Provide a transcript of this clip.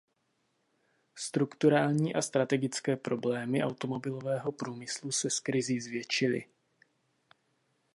Strukturální a strategické problémy automobilového průmyslu se s krizí zvětšily.